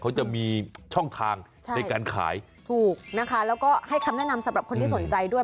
เขาจะมีช่องทางในการขายถูกนะคะแล้วก็ให้คำแนะนำสำหรับคนที่สนใจด้วย